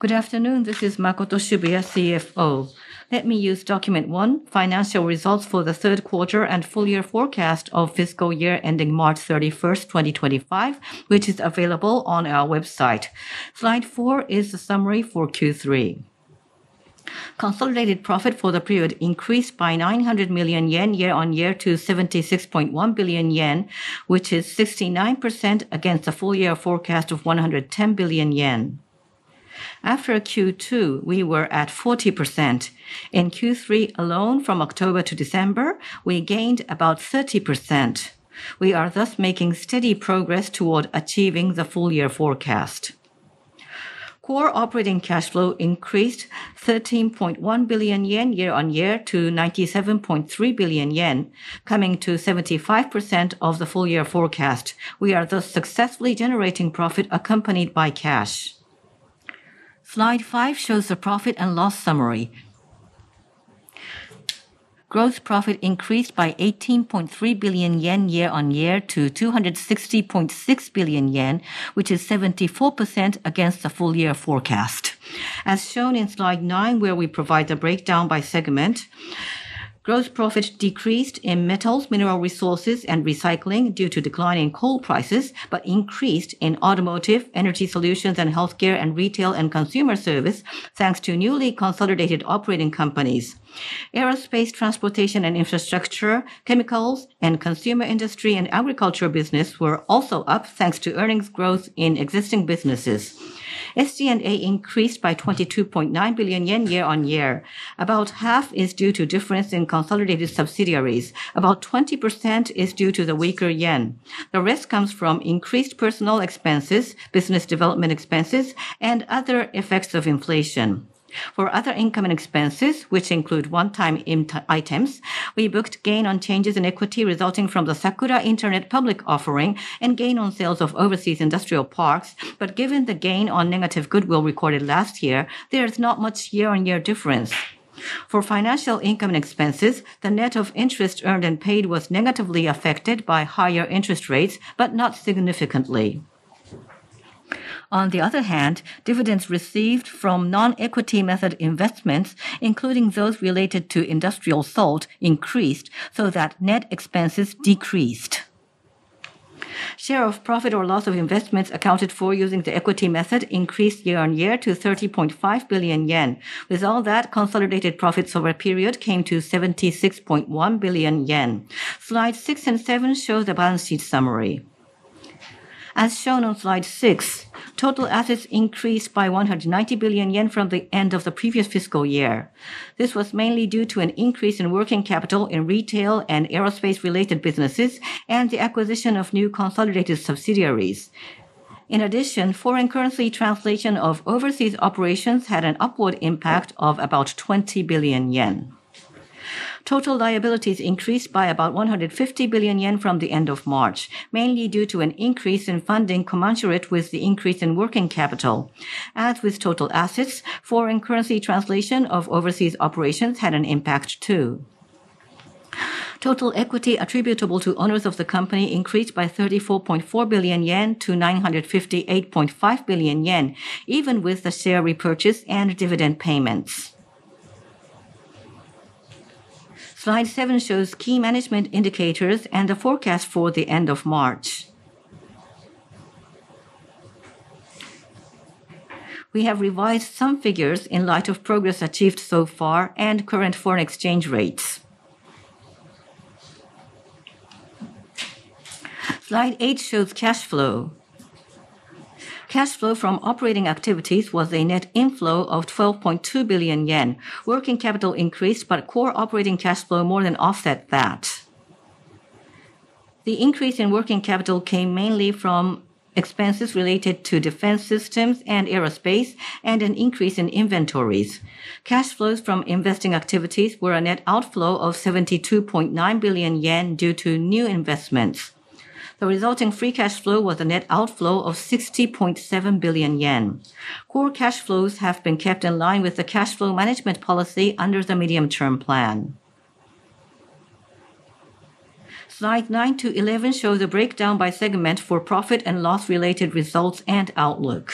Good afternoon. This is Makoto Shibuya, CFO. Let me use Document 1, Financial Results for the Third Quarter and Full Year Forecast of Fiscal Year ending March 31, 2025, which is available on our website. Slide 4 is the summary for Q3. Consolidated profit for the period increased by 900 million yen year-on-year to 76.1 billion yen, which is 69% against a full-year forecast of 110 billion yen. After Q2, we were at 40%. In Q3 alone, from October to December, we gained about 30%. We are thus making steady progress toward achieving the full-year forecast. Core operating cash flow increased 13.1 billion yen year-on-year to 97.3 billion yen, coming to 75% of the full-year forecast. We are thus successfully generating profit accompanied by cash. Slide 5 shows the profit and loss summary. Gross profit increased by 18.3 billion yen year-on-year to 260.6 billion yen, which is 74% against the full-year forecast. As shown in Slide 9, where we provide the breakdown by segment, gross profit decreased in Metals, Mineral Resources and Recycling due to declining coal prices, but increased in Automotive, Energy Solutions, and Healthcare and Retail and Consumer Service, thanks to newly consolidated operating companies. Aerospace, Transportation and Infrastructure, Chemicals, and Consumer Industry and Agriculture Business were also up, thanks to earnings growth in existing businesses. SG&A increased by 22.9 billion yen year-on-year. About half is due to difference in consolidated subsidiaries. About 20% is due to the weaker yen. The risk comes from increased personal expenses, business development expenses, and other effects of inflation. For other income and expenses, which include one-time items, we booked gain on changes in equity resulting from the Sakura Internet public offering and gain on sales of overseas industrial parks. But given the gain on negative goodwill recorded last year, there is not much year-on-year difference. For financial income and expenses, the net of interest earned and paid was negatively affected by higher interest rates, but not significantly. On the other hand, dividends received from non-equity method investments, including those related to industrial salt, increased so that net expenses decreased. Share of profit or loss of investments accounted for using the equity method increased year-on-year to 30.5 billion yen. With all that, consolidated profits over a period came to 76.1 billion yen. Slide 6 and 7 show the balance sheet summary. As shown on Slide 6, total assets increased by 190 billion yen from the end of the previous fiscal year. This was mainly due to an increase in working capital in retail and aerospace-related businesses and the acquisition of new consolidated subsidiaries. In addition, foreign currency translation of overseas operations had an upward impact of about 20 billion yen. Total liabilities increased by about 150 billion yen from the end of March, mainly due to an increase in funding commensurate with the increase in working capital. As with total assets, foreign currency translation of overseas operations had an impact too. Total equity attributable to owners of the company increased by 34.4 billion yen to 958.5 billion yen, even with the share repurchase and dividend payments. Slide 7 shows key management indicators and the forecast for the end of March. We have revised some figures in light of progress achieved so far and current foreign exchange rates. Slide 8 shows cash flow. Cash flow from operating activities was a net inflow of 12.2 billion yen. Working capital increased, but core operating cash flow more than offset that. The increase in working capital came mainly from expenses related to defense systems and aerospace and an increase in inventories. Cash flows from investing activities were a net outflow of 72.9 billion yen due to new investments. The resulting free cash flow was a net outflow of 60.7 billion yen. Core cash flows have been kept in line with the cash flow management policy under the medium-term plan. Slide 9 to 11 shows a breakdown by segment for profit and loss-related results and outlook.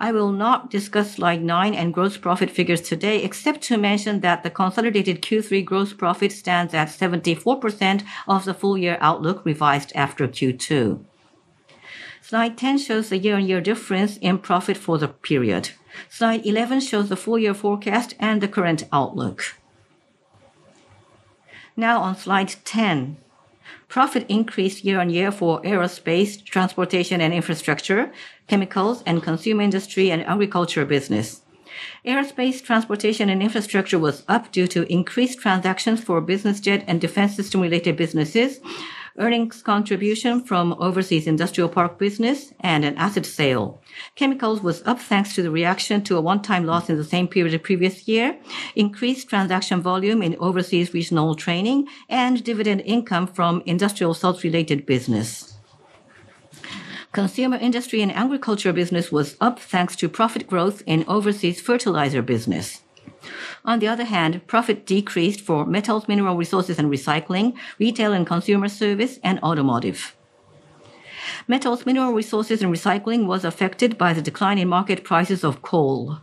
I will not discuss Slide 9 and gross profit figures today except to mention that the consolidated Q3 gross profit stands at 74% of the full-year outlook revised after Q2. Slide 10 shows the year-on-year difference in profit for the period. Slide 11 shows the full-year forecast and the current outlook. Now on Slide 10, profit increased year-on-year for Aerospace, Transportation and Infrastructure, Chemicals, and Consumer Industry and Agriculture Business. Aerospace, Transportation, and Infrastructure was up due to increased transactions for business jet and defense system-related businesses, earnings contribution from overseas industrial park business, and an asset sale. Chemicals was up thanks to the reaction to a one-time loss in the same period of previous year, increased transaction volume in overseas regional trading, and dividend income from industrial salt-related business. Consumer industry and agriculture business was up thanks to profit growth in overseas fertilizer business. On the other hand, profit decreased for metals, mineral resources and recycling, Retail and Consumer Service, and automotive. Metals, mineral resources and recycling was affected by the decline in market prices of coal.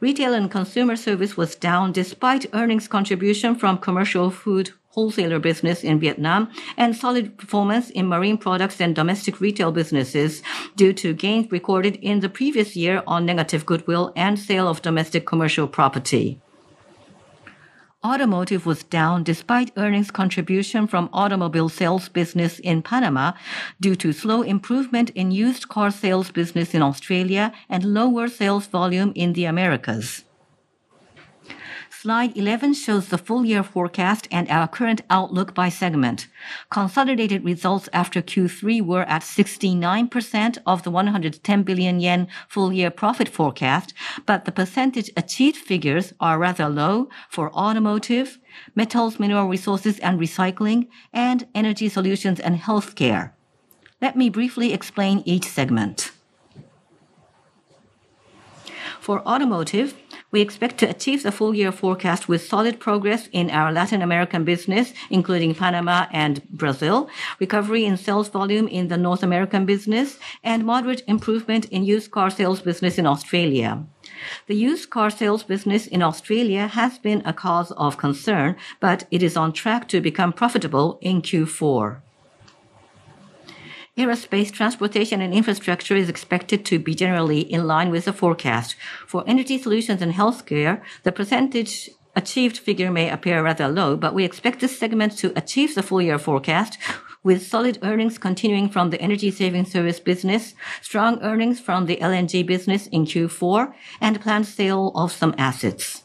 Retail and Consumer Service was down despite earnings contribution from commercial food wholesaler business in Vietnam and solid performance in marine products and domestic retail businesses due to gains recorded in the previous year on negative goodwill and sale of domestic commercial property. Automotive was down despite earnings contribution from automobile sales business in Panama due to slow improvement in used car sales business in Australia and lower sales volume in the Americas. Slide 11 shows the full-year forecast and our current outlook by segment. Consolidated results after Q3 were at 69% of the 110 billion yen full-year profit forecast, but the percentage achieved figures are rather low for automotive, metals, mineral resources and recycling, and Energy Solutions and Healthcare. Let me briefly explain each segment. For automotive, we expect to achieve the full-year forecast with solid progress in our Latin American business, including Panama and Brazil, recovery in sales volume in the North American business, and moderate improvement in used car sales business in Australia. The used car sales business in Australia has been a cause of concern, but it is on track to become profitable in Q4. Aerospace, transportation, and infrastructure is expected to be generally in line with the forecast. For Energy Solutions and Healthcare, the percentage achieved figure may appear rather low, but we expect this segment to achieve the full-year forecast, with solid earnings continuing from the energy saving service business, strong earnings from the LNG business in Q4, and planned sale of some assets.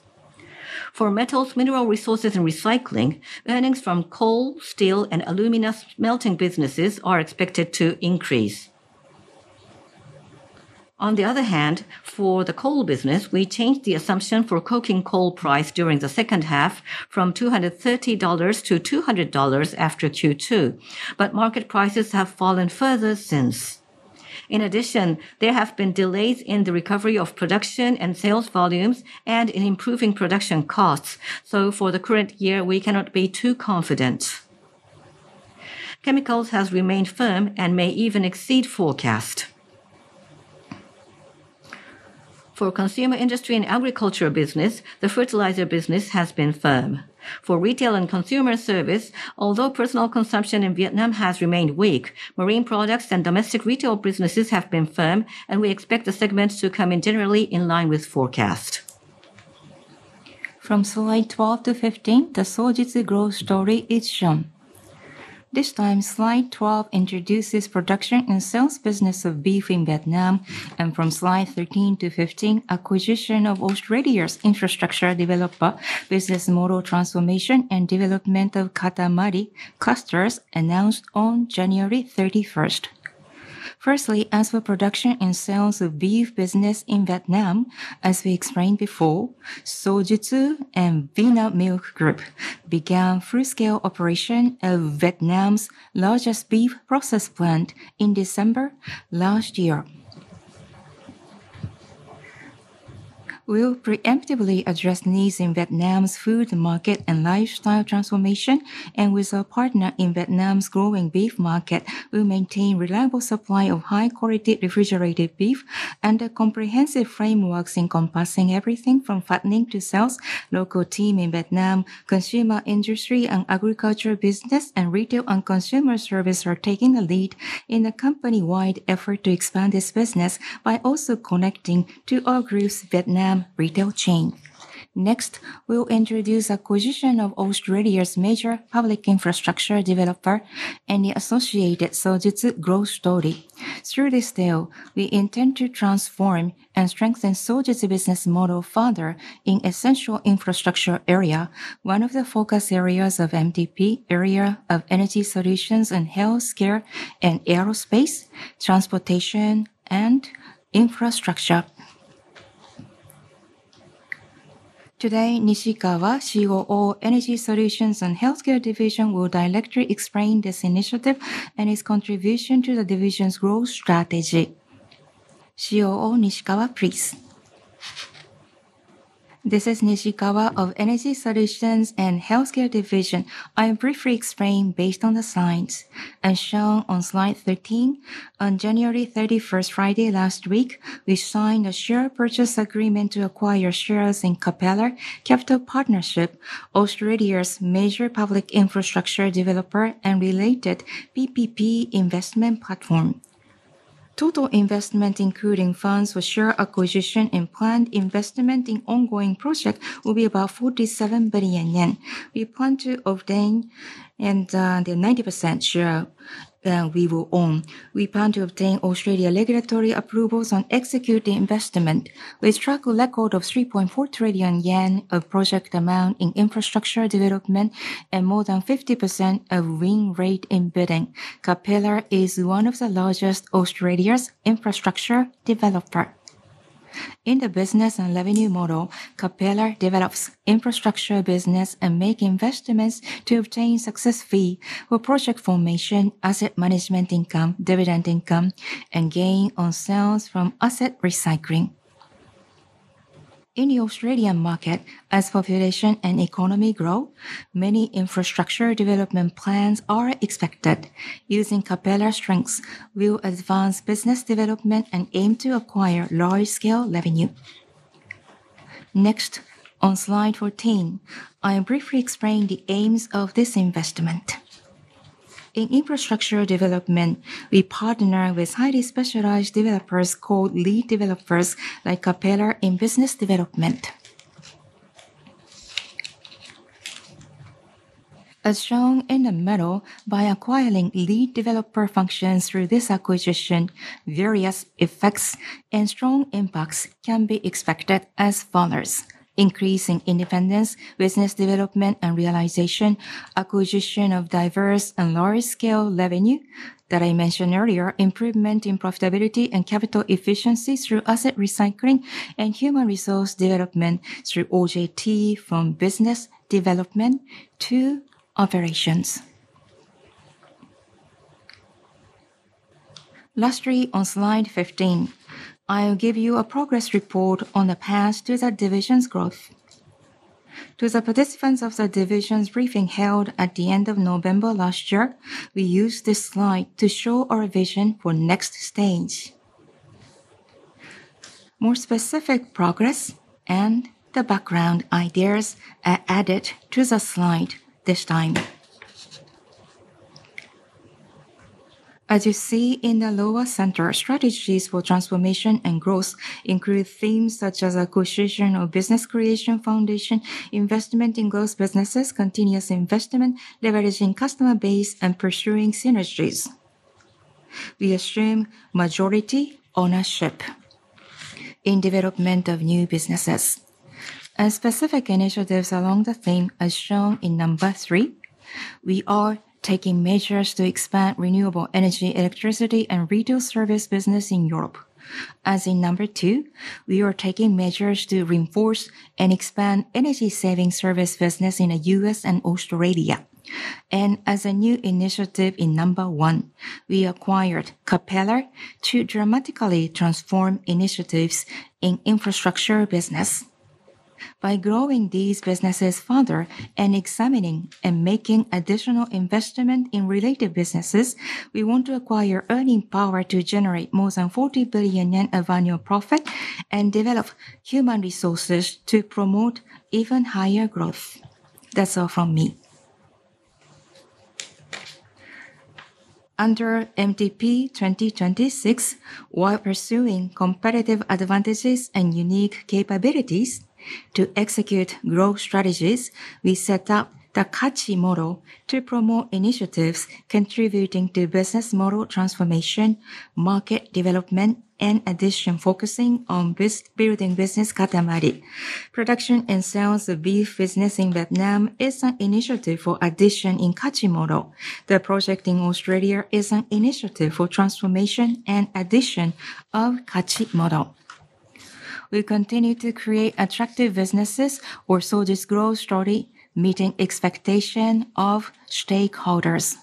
For metals, mineral resources and recycling, earnings from coal, steel, and alumina smelting businesses are expected to increase. On the other hand, for the coal business, we changed the assumption for coking coal price during the second half from $230-$200 after Q2, but market prices have fallen further since. In addition, there have been delays in the recovery of production and sales volumes and in improving production costs, so for the current year, we cannot be too confident. Chemicals has remained firm and may even exceed forecast. For consumer industry and agriculture business, the fertilizer business has been firm. For Retail and Consumer Service, although personal consumption in Vietnam has remained weak, marine products and domestic retail businesses have been firm, and we expect the segments to come in generally in line with forecast. From Slide 12-15, the Sojitz Growth Story is shown. This time, Slide 12 introduces production and sales business of beef in Vietnam, and from Slide 13 to 15, acquisition of Australia's infrastructure developer, business model transformation and development of Katamari clusters announced on January 31. Firstly, as for production and sales of beef business in Vietnam, as we explained before, Sojitz and Vinamilk began full-scale operation of Vietnam's largest beef processing plant in December last year. We'll preemptively address needs in Vietnam's food market and lifestyle transformation, and with our partner in Vietnam's growing beef market, we'll maintain reliable supply of high-quality refrigerated beef under comprehensive frameworks encompassing everything from fattening to sales. The local team in Vietnam's consumer industry and agriculture business, and Retail and Consumer Service are taking the lead in a company-wide effort to expand this business by also connecting to our group's Vietnam retail chain. Next, we'll introduce acquisition of Australia's major public infrastructure developer and the associated Sojitz Growth Story. Through this deal, we intend to transform and strengthen Sojitz business model further in essential infrastructure area, one of the focus areas of MTP, area of Energy Solutions and Healthcare and aerospace, transportation, and infrastructure. Today, Nishikawa, COO, Energy Solutions and Healthcare Division, will directly explain this initiative and its contribution to the division's growth strategy. COO Nishikawa, please. This is Nishikawa of Energy Solutions and Healthcare Division. I'll briefly explain based on the signs as shown on Slide 13. On January 31, Friday last week, we signed a share purchase agreement to acquire shares in Capella Capital Partnership, Australia's major public infrastructure developer and related PPP investment platform. Total investment, including funds for share acquisition and planned investment in ongoing projects, will be about 47 billion yen. We plan to obtain the 90% share that we will own. We plan to obtain Australian regulatory approvals on executing investment. We have a track record of ¥JPY 3.4 trillion of project amount in infrastructure development and more than 50% win rate in bidding. Capella is one of the largest Australian infrastructure developers. In the business and revenue model, Capella develops infrastructure business and makes investments to obtain success fee for project formation, asset management income, dividend income, and gain on sales from asset recycling. In the Australian market, as population and economy grow, many infrastructure development plans are expected. Using Capella's strengths, we'll advance business development and aim to acquire large-scale revenue. Next, on Slide 14, I'll briefly explain the aims of this investment. In infrastructure development, we partner with highly specialized developers called lead developers like Capella in business development. As shown in the model, by acquiring lead developer functions through this acquisition, various effects and strong impacts can be expected as follows: increasing independence, business development and realization, acquisition of diverse and large-scale revenue that I mentioned earlier, improvement in profitability and capital efficiency through asset recycling, and human resource development through OJT from business development to operations. Lastly, on Slide 15, I'll give you a progress report on the path to the division's growth. To the participants of the division's briefing held at the end of November last year, we used this slide to show our vision for the next stage. More specific progress and the background ideas are added to the slide this time. As you see in the lower center, strategies for transformation and growth include themes such as acquisition of business creation foundation, investment in growth businesses, continuous investment, leveraging customer base, and pursuing synergies. We assume majority ownership in development of new businesses, and specific initiatives along the theme as shown in number three, we are taking measures to expand renewable energy, electricity, and retail service business in Europe. As in number two, we are taking measures to reinforce and expand energy saving service business in the U.S. and Australia, and as a new initiative in number one, we acquired Capella to dramatically transform initiatives in infrastructure business. By growing these businesses further and examining and making additional investment in related businesses, we want to acquire earning power to generate more than 40 billion yen of annual profit and develop human resources to promote even higher growth. That's all from me. Under MTP 2026, while pursuing competitive advantages and unique capabilities to execute growth strategies, we set up the Kachi model to promote initiatives contributing to business model transformation, market development, and addition focusing on building business Katamari. Production and sales of beef business in Vietnam is an initiative for addition in Kachi model. The project in Australia is an initiative for transformation and addition of Kachi model. We continue to create attractive businesses our Sojitz Growth Story, meeting expectations of stakeholders.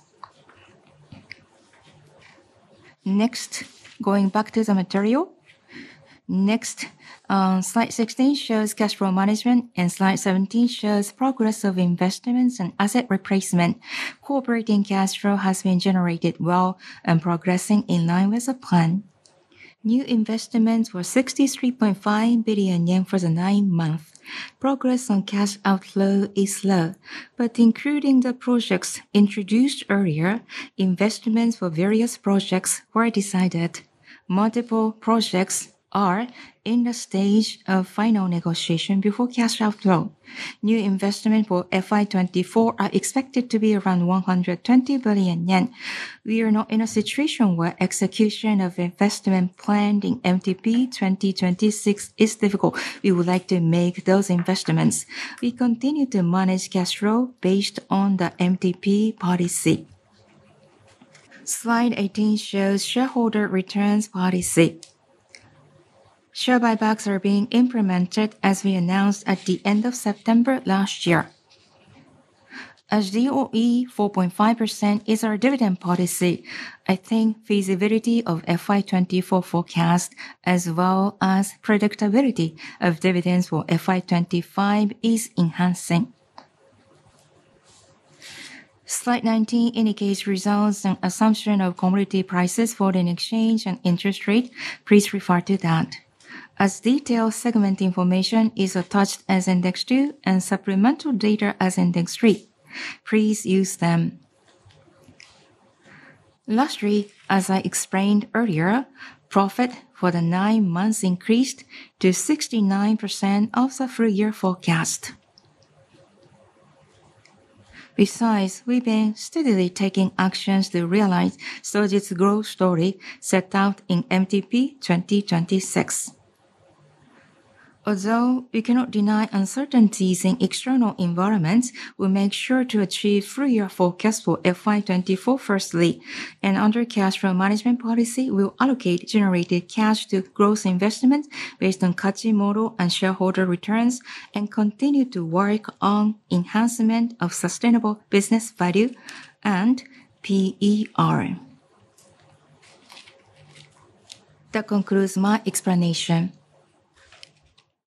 Next, going back to the material. Next, Slide 16 shows cash flow management, and Slide 17 shows progress of investments and asset replacement. Core operating cash flow has been generated well and progressing in line with the plan. New investments were 63.5 billion yen for the nine months. Progress on cash outflow is slow, but including the projects introduced earlier, investments for various projects were decided. Multiple projects are in the stage of final negotiation before cash outflow. New investment for FY24 are expected to be around 120 billion yen. We are not in a situation where execution of investment planned in MTP 2026 is difficult. We would like to make those investments. We continue to manage cash flow based on the MTP policy. Slide 18 shows shareholder returns policy. Share buybacks are being implemented as we announced at the end of September last year. A DOE 4.5% is our dividend policy. I think feasibility of FY24 forecast as well as predictability of dividends for FY25 is enhancing. Slide 19 indicates results and assumption of commodity prices for the exchange rate and interest rate. Please refer to that. As detailed segment information is attached as Index 2 and supplemental data as Index 3. Please use them. Lastly, as I explained earlier, profit for the nine months increased to 69% of the full-year forecast. Besides, we've been steadily taking actions to realize Sojitz Growth Story set out in MTP 2026. Although we cannot deny uncertainties in external environments, we'll make sure to achieve full-year forecast for FY24 firstly, and under cash flow management policy, we'll allocate generated cash to growth investment based on Kachi model and shareholder returns and continue to work on enhancement of sustainable business value and PER. That concludes my explanation.